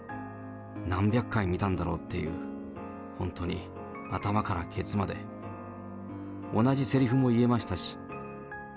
何百回見たんだろうっていう、本当に頭からケツまで、同じせりふも言えましたし。